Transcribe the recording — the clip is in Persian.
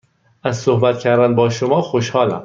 از صحبت کردن با شما خوشحالم.